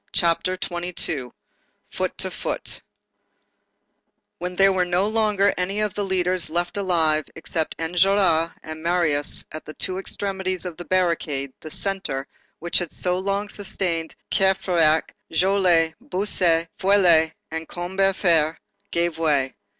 CHAPTER XXII—FOOT TO FOOT When there were no longer any of the leaders left alive, except Enjolras and Marius at the two extremities of the barricade, the centre, which had so long sustained Courfeyrac, Joly, Bossuet, Feuilly and Combeferre, gave way.